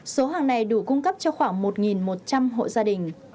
số hàng này đủ cung cấp cho khoảng một một trăm linh hộ gia đình